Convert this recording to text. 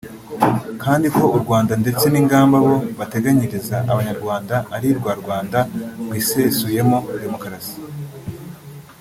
kandi ko u Rwanda ndetse n’ingamba bo bateganyiriza abanyarwanda ari rwa Rwanda rwisesuyemo “demokrasi”